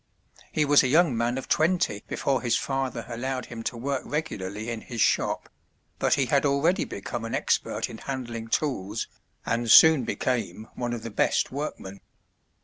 He was a young man of twenty before his father allowed him to work regularly in his shop; but he had already become an expert in handling tools, and soon became one of the best workmen.